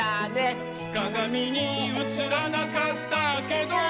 「かがみにうつらなかったけど」